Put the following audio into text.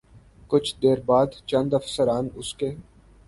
کچھ دیر بعد چند افسران اس کے